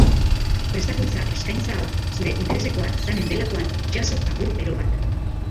Prestakuntza eskaintza hau zure interesekoa izanen delakoan, jaso agur bero bat.